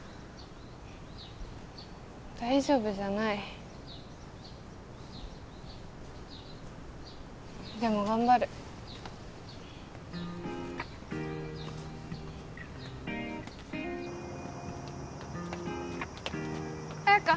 大丈夫じゃないでも頑張る彩花